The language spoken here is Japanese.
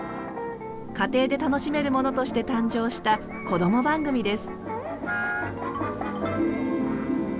家庭で楽しめるものとして誕生したこども番組です。